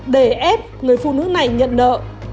để ép người phụ nữ này nhận nợ